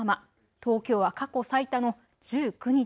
東京は過去最多の１９日。